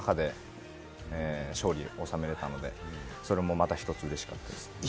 その中で勝利を収められたので、それもまた一つ、嬉しかったですね。